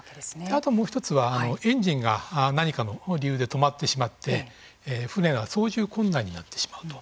あともう一つは、エンジンが何かの理由で止まってしまって船が操縦困難になってしまうと。